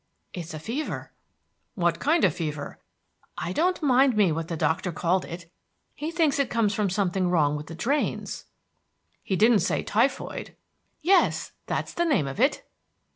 "It's a fever." "What kind of fever?" "I don't mind me what the doctor called it. He thinks it come from something wrong with the drains." "He didn't say typhoid?" "Yes, that's the name of it."